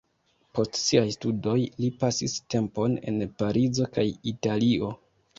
Post siaj studoj li pasis tempon en Parizo kaj Italio.